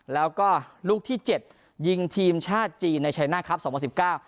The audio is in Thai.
แล้วก็ลูกที่เจ็ดยิงทีมชาติจีนในชัยหน้าครับสองพันสิบเก้า